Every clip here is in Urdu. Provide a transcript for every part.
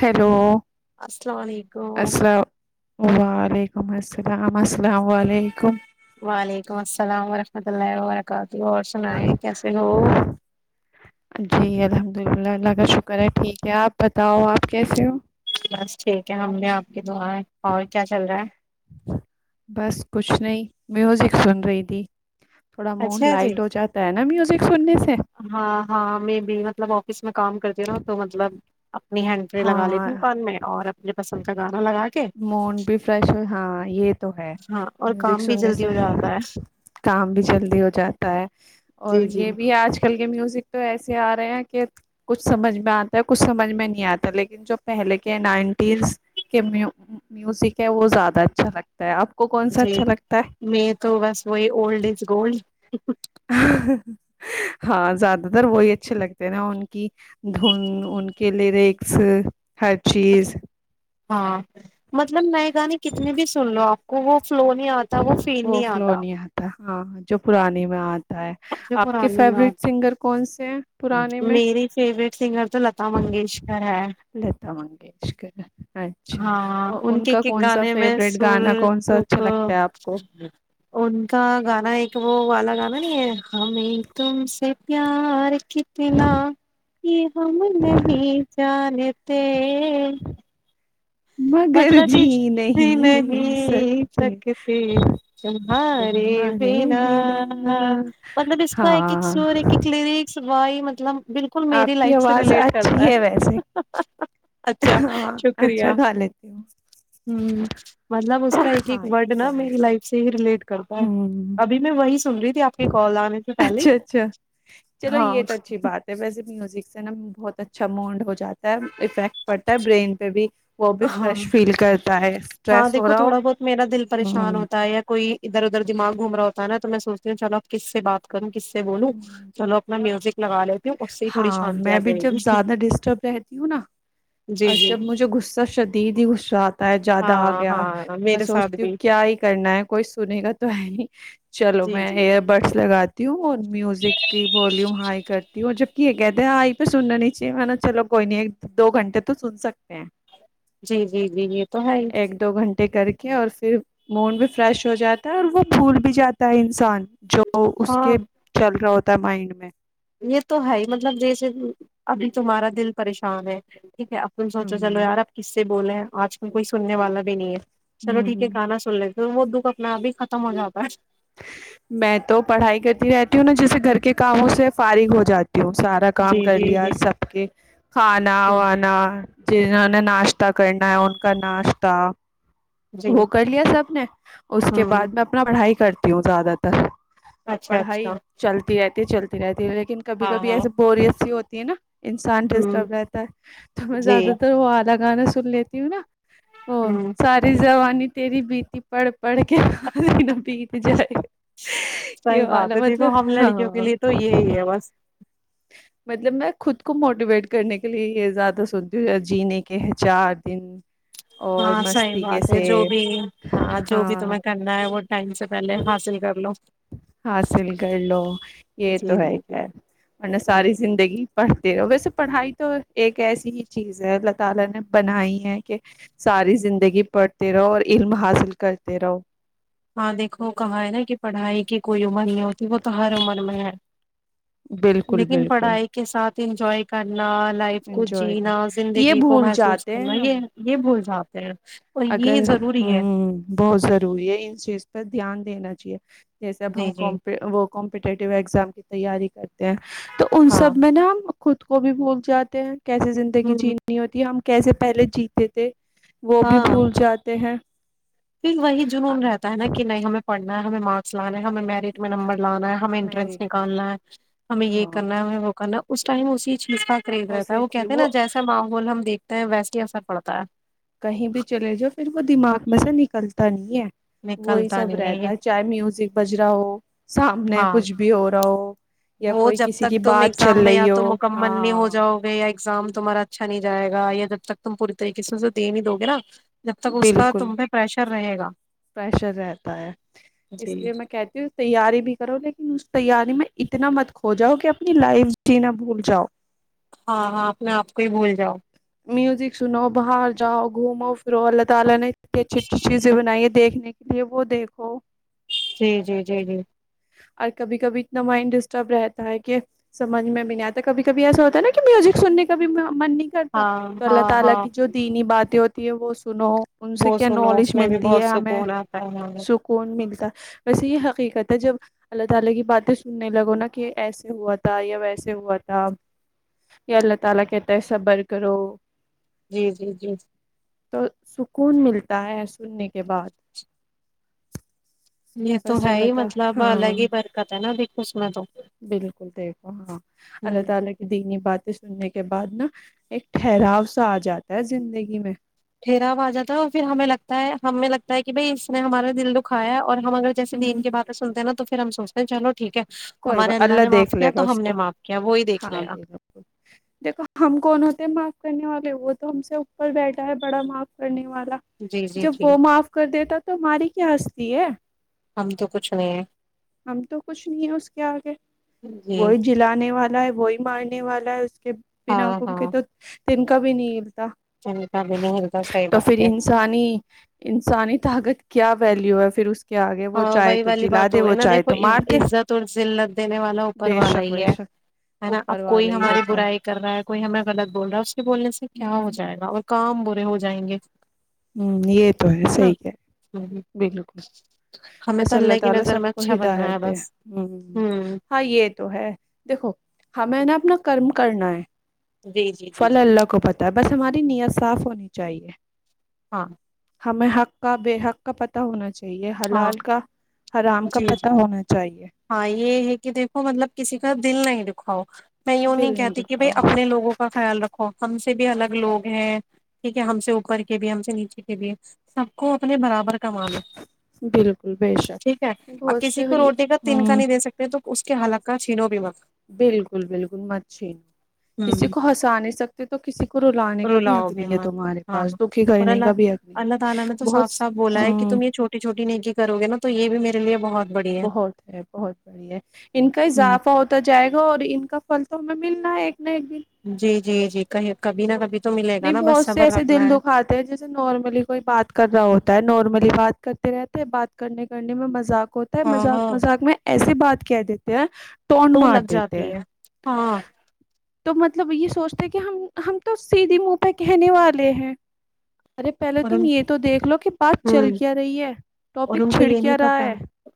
ہیلو السلام ال علیکم وعلیکم السلام السلام علیکم وعلیکم السلام ورحمۃ اللہ و برکاتہ اور سنیں کیسے ہو الحدملہ اللہ کا شکر ہے ٹھیک ہے آپ بتاؤ آپ کیسے ہو بس ٹھیک ہے ہم نے آپ دعیں اور کیا چل رہا ہے بس کچھ نہیں میں ہوزک سن رہی تھی تھوڑا ہے موڈ اچھا جی لائٹ ہو جاتا ہے نا میوزک سننے سے ہاں ہاں م بی مطلب آفس میں کام کرتی ہوں نہ ات تو مطلب اپنی ہینٹری لگا لی ہاں تکان میں اور اپنے پسند کا گانا لگا کے مڈ بھی فریش ہاں یہ تو ہے ہاں اور میوزک کام بھی سننے جلدی سے ہو جاتا ہے کام بھی جلدی ہو جاتا ہے اور جی جی یہ بھی آج کل کل کے میوزک تو ایسے آ رہے ہیں کہ کچھ سمجھ میں آتا ہے کچھ سمجھ میں نہیں آتا لیکن جو پہلے کے نائنٹیز کے میوزک ہے وہ زیادہ اچھا لگتا ہے آپ کو کون سا جی اچھا لگتا میں تو بس وہی اولڈ از گولڈ ہاں زیادہ تر وہی اچھے لگتے ہیں نا ان کی دھن ان کے لیے ریکس ہر چیز ہاں مطلب میں جانی کتنے بھی سن لو آپ وہ فلو نہیں آ وہ فیل نہیں آتا ہاں جو پرانی میں آج جو آپ کے پرانے گانے فیوریٹ سنگر کون سے ہیں پرانے میں میری فیوریٹ سنگر تو لتا منگیشکر ہے لتا منگیشکر اچھا ہاں ان کے کا ایک ایک کون سا گانے میں فیوریٹ سر گانا کون سا اچھا تک لگتا ہے آپ کو ان کا گانا ایک وہ والا گانا نہیں ہے ہمیں تم سے پیار کتنا یہ ہم نہیں جانتے [unintelligible] مگر مطلب جی نہی نہیں جی سکتے تمھارے تمہارے بنا بنا مطلب اس کا ایک ایک ہاں سور ایک ایک لیریکس شروع ہی مطلب بالکل میری آپ کی لائف سے آواز ریلیٹ کرتا اچھی ویسے ہے اچھا ہاں شکریہ اچھا ہ گا لیتی ہوں مطلب اس کا ایک ایک ہاں یہ ورڈ تو نا ہے میری لائف سے ہی ریلیٹ کرتا ہے ہ ابھی میں وہی سن رہی تھی آپ کے کال آنے سے پہلے ہی۔ اچھا اچھا چلو ہاں یہ تو اچھی بات ہے ویسے میوزک سے نا بہت اچھا موڈ ہو جاتا ہے [unintelligible] افیکٹ پڑتا ہے برین پہ بھی وہ بھی ہاں فریش فیل کرتا ہے ہاں اسٹریس ہو دیکھو رہا ہو تھوڑا بہت میرا دل پریشان ہوں ہوتا ہے یا کوئی ادھر ادھر دماغ گھوم رہا ہوتا تا نا تو میں سوچتی ہوں چلو آپس سے بات کروں کس سے بولو چلو اپنا میوزک لگا لی ہاں میں بھی جب زیادہ ڈسٹرب رہتی ہوں نا ا جی جی جب مجھے غصہ ش ت دیوسرات زیادہ آ ہاں گیا ہاں میں میرے ساتھ سوچتی ہوں بھی کیا ہی کرنا ہے کوئی سنے کاا تو ہے ہی [unintelligible] چلو جی میں جی ایئر بڈس لگاتی ت [unintelligible] میوزک کی ویوم ہائی کرتی اور جب کی کہتے آئی پہ سننا ن چاہے ما چلو کوئی نہیں ایک دو گھٹے تو سن سکتے ہیں جی جی جی یہ تو ہے ہی ے کر کے اور پھر موڈ بھی فریش ہو جاتا ہے اور وہ بھول بھی جاتا ہے انسان جو اس ہاں کے چل رہا ہو مائنڈ میں یہ تو ہے ہی مطلب جیسے ابھی تمہارا دل پریشان ہے ٹھیک ہے اب سوچو چلو ہوں یار کس سے بھی بولے ہیں آج کل کوئی سننے والا بھی نہیں ہے چلو ٹھیک ہے ہوں گانا سو رہیں گ وہ دکھ اپنا اب ہی ختم ہو جاتا ہے میں تو پڑھائی کرتی رہتی ہوں نا جیسے گھر کے کاموں سے فارغ ہو جاتی تی ہوں سارا کام جی کر جی لیا جی سب کے کھانا جی وانا جنہوں نے ناشتہ کرنا ہے ان کا ناشتہ جی وہ کر لیا سب نے اس کے ہوں بعد میں اپنا پڑھائی کرتا کیوں زیادہ تر اب اچھا پڑھائی اچھا چلتی رہتی چلتی تی لیکن کبھی ہاں کبھی ہاں ایسے بوریس سی ہوتی [unintelligible] انسان ہوں ڈسٹرب رہتا ہے تو میں جی زیادہ تر وہ الگ گانا سن لیتی ہوں نا ا ہوں ساری ج نی تری بیتی پڑھ پڑھ کے بیت جائے یہ صحی بات والا ہے دیکھو مطلب ہم لڑکیوں کے ہاں لیے تو یہی ہے بس مطلب میں خود کو موٹیویٹ کرنے کے لیے یہ زیادہ سنتی ہوں جینے کے ہیں چار دن اور ہاں صحیح مستی بات ہے کیسے جو بھی ہاں جو بھی تمہیں کرنا ہے وہ ٹائم سے پہلے حاصل کر لو حاصل کر لو یہ جی تو ہے جی جی کیا ورنہ ہوں ساری زندگی پ ویسے پڑھائی تو ایک ایسی ہی چیز ہے اللہ تعالی نے بنائی ہے کہ ساری زندگی پڑھتے رہو اور علم حاصل کرتے رہو ہاں دیکھو کہا ہے نا کہ پڑھائی کی کوئی عمر نہیں ہوتی وہ تو ہر عمر میں ہے بالکل لیکن بالکل پڑھائی کے ساتھ [unintelligible] انجوائے کر لائف کو انجوائے کر جینا یہ زندگی کو بھول محسوس جاتے کرنا ہیں ہم یہ یہ بھول جاؤ آپ ج [unintelligible] اگر ہ بہت ضروری ہے ان چیز پہ دھیان دینا چاہیے جیسے اب ہم جی جی ک کمپٹیٹیو ایگزام کی تیاری کرتے ہیں تو ان ہاں سب میں نا خود کو بھی بھول جاتے ہیں کیسی زندگی ہ جینی ہوتی ہے ہم کیسے پہلے جیتے تھے بھی ہاں بھول جاتے ہیں [unintelligible] پھر وہی جنون رہتا ہے نا کہ نہیں ہمیں پڑھنا ہمیں مارکس لانے ہمیں میرٹ میں نمبر لانا ہے ہمیں انٹرنس میرڈ نکالنا ہے ہمیں یہ ہاں کرنا ہے ہمیں وہ کرنا اس ٹائم اسی چز کا کریز رہتا ہے اسی وہ چیز کہتے نا جیسا ماحول ہم دیکھ [unintelligible] ویسے ہی اثر پڑتا ہے کہیں بھی چلے جاؤ پھر وہ دماغ میں سے نکل کلتا نہیں ہے وہی نکلتا سب نہیں رہتا یہ ہے چاہے میوزک بج رہا ہو سامنے ہاں کچھ بھی ہو رہا ہو یا وہ کوئی جب کسی کی تک تم بات چل ایگزام میں یا رہی تو ہو مکمل نہیں ہو ہاں جاؤ گے یا ایگزام تمہارا اچھا نہیں جائے گا یا جب تک تم پور طریقے سے اسے دے ہی دو گے نا جب تک اس کا بالکل تم پہ پریشر رہے گا پریشر رہتا ہے اس جی لیے میں کہتی ہوں تیاری بھی کرو لیکن اس تیاری میں اتنا مت کھو جاؤ کہ اپنی لائف جینا بھول جاؤ ہاں ہاں اپنے آپ کو ہی بھول جاؤ میوزک سنو بہار جاؤ گھومو فرو اللہ تعالی نے دیکھنے کے لیے وہ دیکھو جی جی جی جی اور کبھی کبھی اتنا مائنڈ ڈسٹرب رہتا ہے کہ سمجھ میں بھی نہیں آتا کبھی کبھی ایسا ہوتا ہے نا کہ میوزک سننے کا بھی من نہیں ہاں تو اللہ ہاں تعالی ہاں کی جو دینی بات ہے وہ تی ہے وہ [inaudible] سن ان سے وہ کیا سنو نالج اس میں بھی ملتی بہت ہے ہمیں سکون آتا ہے ہمیں سکون ملتا ویسے یہ حقیقت جب اللہ تعالی کی باتیں سننے لگو نا کہ ایسے ہوا تھا یا ویسے ہوا تھا یا اللہ تعالی کہتا ہے کرو جی جی جی تو سکون ملتا ہے سننے کے بعد یہ تو بس ہے اللہ ہی تعالی مطلب الگ ہاں ہی برکت ہے نا دیکھو اس میں تو ہا ں اللہ ہ تعالی کو دینی باتیں سننے کے بعد نا ایک ٹھہراؤ سا آ جاتا ہے زندگی میں ٹھیراو اجاتا پھر ہمیں لگتا ہے ہمیں لگتا ہے کہ بھائی اس نے ہمارا دل دکھایا اور ہم اگر جیسے بھی ہوں ان کے بارے سنتے ہیںا توھر پھر ہم سوچتے چلو ٹھیک ہے کوئی ب ہمارے اللہ نے دیکھ معاف لے کیا گا تو اس ہم نے کو معاف کیا وہی دیکھ ہاں لے گا بالکل دیکھو ہم کون ہوتے م کرنے والے وہ تو ہم سے اوپر بیٹھا ہے بڑا معاف کرنے والا جی جی جب جی وہ معاف کر دیتا تو ہماری کیا ہستی ہے ہم تو کچھ نہیں ہے ہم تو کچھ نہیں ہے اس کے آگے جی وہی جلانے والے ہے وہی مارنے والا ہے اس بنا ہاں حکم کے ہاں تو تنکا بھیی نہیں ہلتا ان کا بھی نہیں ہلتا صحیح تو پھر بات ہے انسانی انسانی طاقت کیا ویلو ہے پھر اس کیا آگے وہ ہاں چائےے وہی تو جلا دے وہ چائے تو مار دے لت دینے والا اوپر بے والا شک ہی بے شک ہے نا اوپر اب کوئی والا ہی ہماری ہوتا ہے برائی کر رہا ہے کوئی ہمیں غلط بول رہا ہے اس کے بولنے سے کیا ہو ہ جائے گا وہ کام برے ہو جائیں گے ہوں یہ تو ہے سحی ہے بالکل ہمیں بس تو اللہ کی تعالی نظر سب میں کو اچھا بننا ہے ہدایت دے بس ہوں ائیے تو ہے دیکھو ہاں میں نے اپنا کرم کرنا ہے جی جی جی فلا جی اللہ کو پتہ ہے بس ہماری نیت صاف ہونی ت چاہیے ہاں ہمیں حق کا بے حق کا پتا ہونا چاہیے کہ یہ ہاں حلال کا حرام کا جی جی پتہ ہونا چاہیے ہاں یہ ہے کہ دیکھو مطلب کسی کا دل نہیں دکھاؤ میں یوں نہیں دل کہتی کہ بھائی دکھاؤ اپنے لوگوں کا خیال رکھو ہم سے بھی الگ لوگ ہیں ٹھیک ہے ہم سے اوپر کے بھی ہم سے نیچے کے بھی سب کو اپنے برابر کما لو بالکل بے ٹھیک ہے شک آپ بہت کسی سے کو روٹی کا تن کا ہ نہیں دے سکتے تو اس کے حلاقک کا چھینو بھی م بالکل بالکل مت چھی ن کسی ہوں کو ہنسا نہیں سکتے تو کسی کو رلانے کا بھی حق رلاؤ نہیں ہے مت تمہارے ہاں پاس دکھی اور کرنے کا اللہ بھی حق نہیں اللہ تعالی ہے بہت ہ کی کرو گے نا تو یہ بھی میرے لیے بہت بڑی ہے بہت ہے بہت بڑھیا ہے ان کا ہوں اضافہ ہوتا جائے گا اور ان کا پل تو میں ملنا ایک نہ ایک دن جی جی جی کہ ک بنا کبھی تو ملے گا نہیں نا بس بہت سے صبر ایسے رکھنا دل ہے دکھاتے ہیں جیسے نارملی کوئی بات کر رہا ہوتا ہے نارملی بات کر رہتے ہیں بات کرنے کرنے میں مذاق ہوتا ہے ہاں مذاق ہاں مذاق میں ایسے سے بات کہہ دیتے ہیں ٹونڈ تو مار لگ جاتی دیتے ہیں ہے ہاں تو مطلب یہ سوچتے ہیں کہ ہم ہم تو سیدھے منہ پہ کہنے والے ہیں ارے پہلے اور تم ان یہ تو دیکھ لو کہ بات چل ہوں کیا رہی ہے اور ٹاپک ان کو چھڑ یہ نہیں کیایا رہا پتا ہے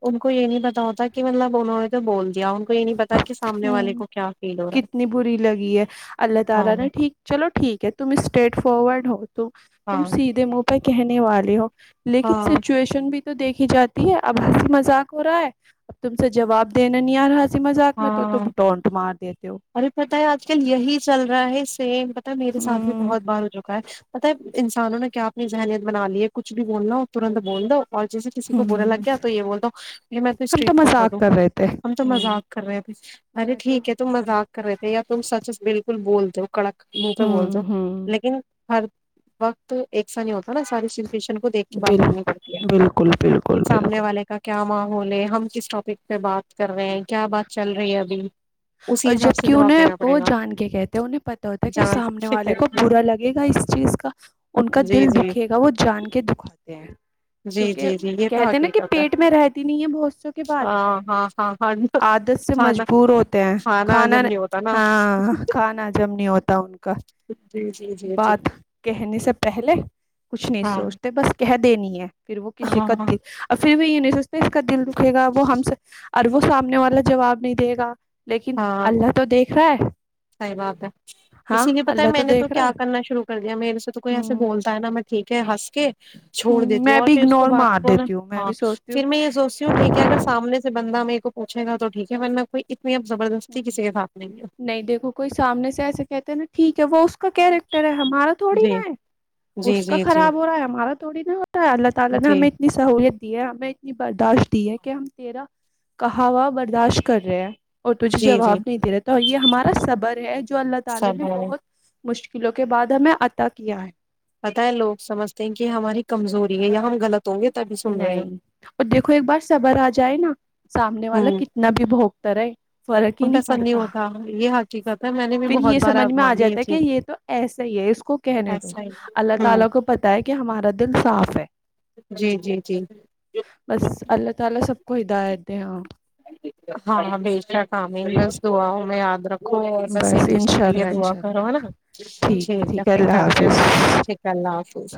ان کو یہ نہیں پتا ہوتا کہ مطلب انہوں نے بول دیا ان کو یہ نہیں پتا کہ سامنے والے کو کیا فیل ہو رہا کتنی بری لگی ہے اللہ ہے تعالی نے ہاں ٹھیک چلو ٹھیک ہے تم اس پلیٹ ہو ت تم ہاں سیدھے منہ پہ کہنے والے ہو لیکن ہاں سچویشن بھی تو دیکھی جاتی ہے اب ہس مذاق ہو رہا ہے اب تم سے جواب دینا نہیں آ رہا تھا ہاں ہو ابھی پت ہے آج کل یہی چل رہا ہے سیم مطلب میرے سات بھی ہوں بہت بار ہو چکا ہے مطلب انسانوں نے کیا اپنی ذہنیت بنا لی ہے کچھ بھی بولنا ہو ترنت بول دو اور جیسے کسی کو ہوں بولا لگ گیا تو یہ بول دو میں تو ہم اسٹریٹ فارورڈ مذاق ہوں کر رہے تھے ہم تو ہوں مذاق کر رہے ہیں ارے میں تو ٹھیک ہے تم مذاق کر رہے تھے یا تم سچس بالکل بول دو ہو کڑک مہ پہ بول ہوں دو ہوں لیکن ہر وقت ایک سا نہیں ہوتا نا ساری سچویشن کو دیکھ کے بات کرنی بالکل پڑتی ہے بالکل کہ بالکل سامنے بالکل والے کا کیا ماں بولے ہم کس ٹاپک پہ بات کر رہے ہیں کیا بات چل رہی ہے ابھی اور اسی حساب جبک سے جواب انہیں دینا وہ پڑے گا جان کے کہتے ہیں انہیں پتتا ہوتا ہے کہ جان سامنے کے والے کو کہتے ہیں۔ برا لگے گا اس چیز کا ان کا جی دل جی دکھے گا وہ جان کے دکھاتے ہیں جی کیونکہ جی جی یہ تو کہتے نا کہ حقیقت ہے پیٹ میں رہتی نہیں ہے بہتوں کی بات ہاں ہاں ہاں ہاں عادت سے کھانا مجبور ہوتی کھانا جب نہیں ہوتا نا ہاں کھانا حجم نہیں ہوتا ان کو جی جی جی جی بات کہنے سے پہلے کچھ نہیں ہاں سوچتے بس کہتے دنی ہے پھر وہ کسی ہاں کا دل اور پھر بھی ینیسپیس کا دل رکھے گا وہ ہم سے اورر وہ سامنے والا جواب نہیں دے گا لیکن ہاں اللہ تو دیکھ ہے صحیح باب ہے ہاں اسی لیے پتا ہے اللہ میں نے تو دیکھ رہا کیا ہے کرنا شروع کر دیا میرے سے تو کوئی ایسے ہ ہ بولتا ہے نا میں ٹھیک ہے ہنس کے چھوڑ دیتی ہوں میں اور بھی پھر اس کو اگنور بات مار کو نا دیتی ہوں میں بھی ہاں سوچتی ہوں پھر میں یہ سوچتی ہوں ٹھیک اگر سامنے سے بندہ میر پوچے گا تو ٹیک ہے ورن کوئی اس نہیں اب زبردستی کسی کے ساتھ نہیں ہے کوئی سامنے سے ایسے کہتے ہیںا ٹھیک ہے وہ اس کا کیریکٹر ہے ہمارا تھوڑی جی نہ ہے جی اس کا جی جی خراب ہو رہا ہے ہمارا تھوڑی بھی ہوتا ہے اللہ تعالی نے جی ہمیں اتنی سہولت دی ہے ہمیں اتنی برداشت ہے کہ ہم تیرا کہاوا برداشت کر رہے ہیں اور تجھے جی جی جواب نہیں د رہا تو یہ ہمارا صبر ہے چ اللہ تعالی سب نے ہے مشکلوں کے بعد ہمیں عتا کیا ہے پت ہے لوگ سمجھتے ہیں کہ ہماری کمزوری ہے یا ہم غلط ہوں گے تبھی سن رہے ہیں نہیں اور دیکھو ایک بار صبر آ جائے نا سامنے والا ہوں کتنا بھی بھوگتا رہا ہے ہم پیسا نہیں ہوتا یہ ح پھر یہ سمجھ میں ا جاتا ہے کہ چیز یہ تو ایسا ہی ہے اس کو کہنے دو ایسا ہی اللہ ہے۔ تعالی ہوں کو پتہ ہے کہ ہم مردل صاف ہے جی جی جی بس اللہ تعالی سب کو ہدایت تو ہاں بے شک آم ہے بس دعا ہ میں یاد رکھ بس ایک دوسرے انشاء کے لیے اللہ دعا انشاء کرو اللہ ہے نا ٹھیک ہے پھر کرتے ہیں بات ٹھیک ہے اللہ حافظ